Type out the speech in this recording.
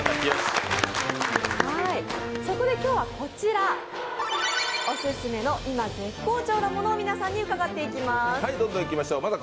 そこで今日はこちら、オススメのいま絶好調なものを皆さんに伺っていきます。